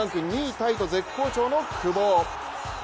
タイと絶好調の久保。